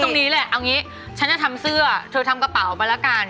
ตรงนี้แหละเอางี้ฉันจะทำเสื้อเธอทำกระเป๋าไปแล้วกัน